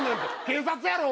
警察やろ？